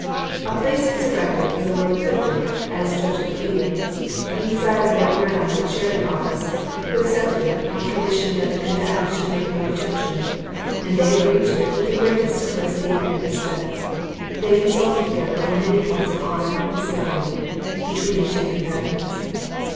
A place was erected for the Lord Clifford, as judge of the field; he desired Lord Graham would share the office, who accepted it, on condition that the combatants should make no objection, and they agreed to it with the greatest courtesy and respect. They consulted together on many points of honour and ceremony between the two combatants.